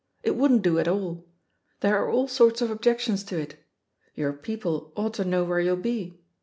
It wouldn't do at aU ; there are all sorts of objections to it — ^your people ought to know where you'll be.